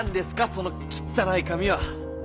そのきったない紙は。